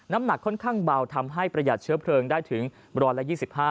น้ำหนักค่อนข้างเบาทำให้ประหยัดเชื้อเพลิงได้ถึง๑๒๕